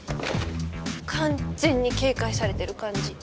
完全に警戒されてる感じ。